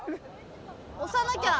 押さなきゃ。